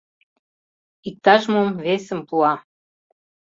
Иктаж-мом весым пуа.